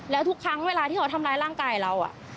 แล้วทุกครั้งเวลาที่เขาทำร้ายร่างกายเรา